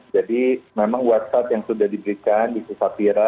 jadi memang whatsapp yang sudah diberikan di susapira